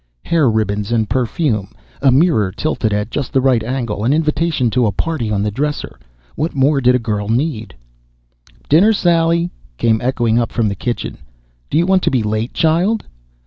Hair ribbons and perfume, a mirror tilted at just the right angle, an invitation to a party on the dresser what more did a girl need? "Dinner, Sally!" came echoing up from the kitchen. "Do you want to be late, child?"